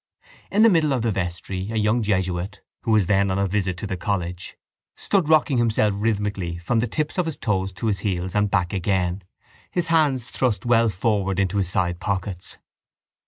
In the middle of the vestry a young jesuit, who was then on a visit to the college, stood rocking himself rhythmically from the tips of his toes to his heels and back again, his hands thrust well forward into his sidepockets.